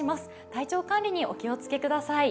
体調管理にお気をつけください。